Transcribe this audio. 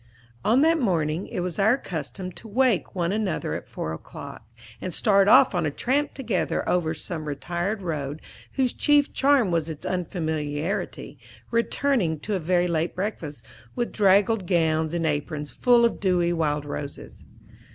On that morning it was our custom to wake one another at four o'clock, and start off on a tramp together over some retired road whose chief charm was its unfamiliarity, returning to a very late breakfast, with draggled gowns and aprons full of dewy wild roses.